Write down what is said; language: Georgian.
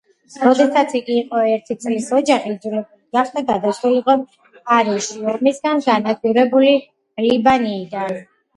როდესაც იგი იყო ერთი წლის ოჯახი იძულებული გახდა გადასულიყო პარიზში ომისგან განადგურებული ლიბანიდან.